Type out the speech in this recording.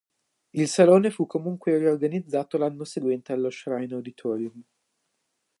Il salone fu comunque riorganizzato l'anno seguente allo "Shrine Auditorium".